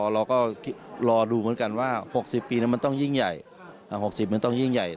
เราก็รอดูเหมือนกันว่า๖๐ปีนั้นมันต้องยิ่งใหญ่